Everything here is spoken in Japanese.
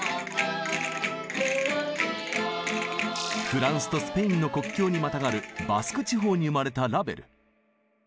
フランスとスペインの国境にまたがるバスク地方に生まれたラヴェル。